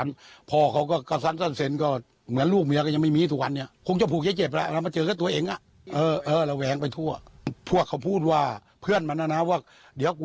เราเขาไม่สามารถทีแจ้งอะไรได้แล้วนะครับท่านผู้ชมครับ